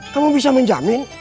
kamu bisa menjamin